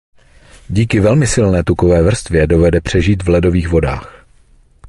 Díky velmi silné tukové vrstvě dovede přežít v ledových vodách.